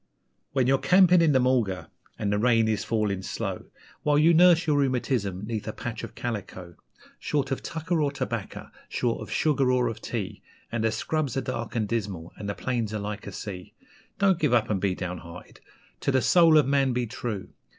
When you're camping in the mulga, and the rain is falling slow, While you nurse your rheumatism 'neath a patch of calico; Short of tucker or tobacco, short of sugar or of tea, And the scrubs are dark and dismal, and the plains are like a sea; Don't give up and be down hearted to the soul of man be true!